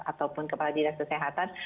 ataupun kepala didas kesehatan